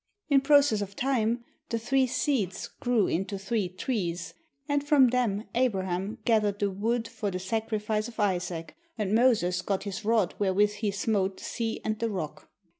In process of time the three seeds grew into three trees, and from them Abraham gathered the wood for the sacrifice of Isaac, and Moses got his rod wherewith he smote the sea and the rock.